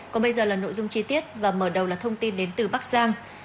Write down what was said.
còn bây giờ là nội dung chi tiết và mở đầu là thông tin đến từ bắc giang